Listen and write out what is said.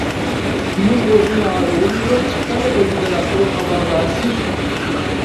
موږ غوږونه اړولي وو چې کله به دې د راتلو خبر راشي.